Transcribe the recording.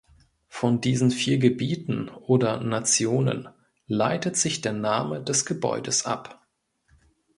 Von diesen vier Gebieten oder "Nationen" leitet sich der Name des Gebäudes ab.